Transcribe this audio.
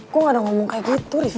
gue gak ada ngomong kayak gitu rifki